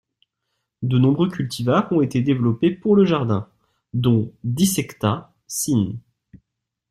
De nombreux cultivars ont été développés pour le jardin, dont 'dissecta' syn.